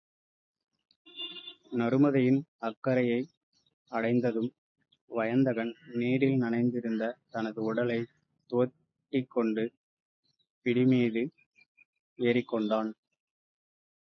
நருமதையின் அக் கரையை அடைந்ததும் வயந்தகன் நீரில் நனைந்திருந்த தனது உடலைத் துவட்டிக்கொண்டு பிடிமீது ஏறிக்கொண்டான்.